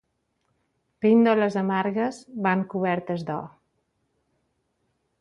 Píndoles amargues van cobertes d'or.